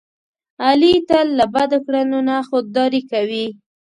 علي تل له بدو کړنو نه خوداري کوي.